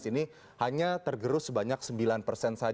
tapi kita bisa melihat bahwa kita masih jauh lebih baik dengan sembilan persen